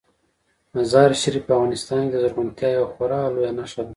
مزارشریف په افغانستان کې د زرغونتیا یوه خورا لویه نښه ده.